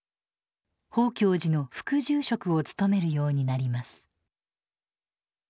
宝鏡寺の副住職を務めるようになります。